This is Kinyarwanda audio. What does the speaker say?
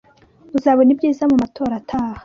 Uzabona ibyiza mu matora ataha